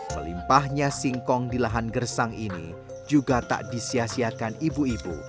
melimpahnya singkong di lahan gersang ini juga tak disiasiakan ibu ibu